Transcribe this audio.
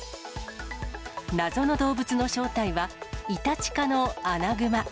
謎の動物の正体は、イタチ科のアナグマ。